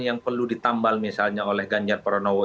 yang perlu ditambal misalnya oleh ganjar pranowo